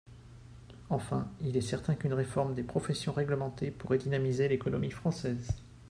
Enfin, il est certain qu’une réforme des professions réglementées pourrait dynamiser l’économie française.